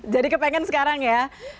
jadi kepengen sekarang ya